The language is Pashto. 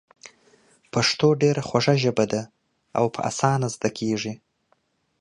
پښتو ډېره خوږه ژبه ده او په اسانه زده کېږي.